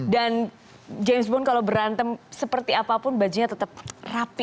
dan james bond kalau berantem seperti apapun bajunya tetap rapi